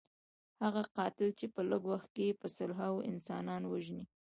هغه قاتل چې په لږ وخت کې په سلهاوو انسانان وژني.